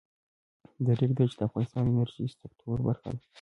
د ریګ دښتې د افغانستان د انرژۍ سکتور برخه ده.